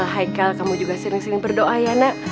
haikal kamu juga sering sering berdoa ya nak